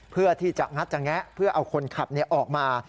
เพื่อที่จะงัดจะแงะเพื่อเอาคนขับออกมา